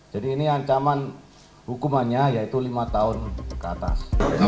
jadi ini ancaman hukumannya yaitu lima tahun ke atas